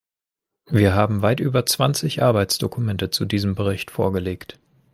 Wir haben weit über zwanzig Arbeitsdokumente zu diesem Bericht vorgelegt.